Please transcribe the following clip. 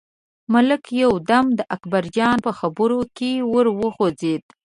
ملک یو دم د اکبرجان په خبرو کې ور وغورځېد.